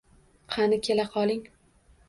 Qani, kela qoling.